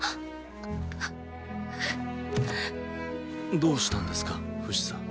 どうしたんですかフシさん。